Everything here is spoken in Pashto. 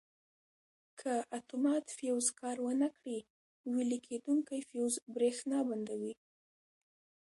که اتومات فیوز کار ور نه کړي ویلې کېدونکی فیوز برېښنا بندوي.